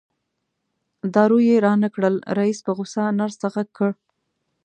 دارو یې رانه کړل رئیس په غوسه نرس ته غږ کړ.